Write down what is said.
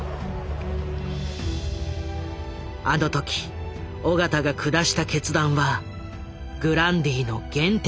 あの時緒方が下した決断はグランディの原点になっている。